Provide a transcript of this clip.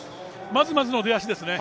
まずまずの出足ですね。